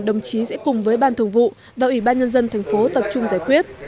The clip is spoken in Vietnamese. đồng chí sẽ cùng với ban thường vụ và ủy ban nhân dân tp hcm tập trung giải quyết